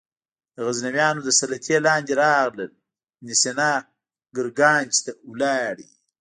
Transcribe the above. د غزنویانو تر سلطې لاندې راغلل ابن سینا ګرګانج ته ولاړ.